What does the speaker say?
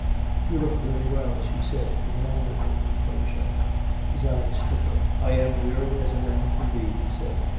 " You look very well," she said, with an admirable com posure. His eyes twinkled. " I am as weary as a man can be," he said.